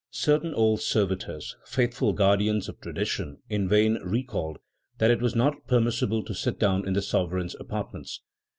Certain old servitors, faithful guardians of tradition, in vain recalled that it was not permissible to sit down in the sovereign's apartments.